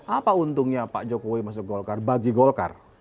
apa untungnya pak jokowi masuk golkar bagi golkar